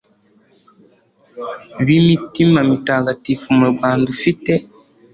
b Imitima Mitagatifu mu Rwanda ufite